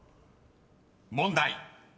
［問題］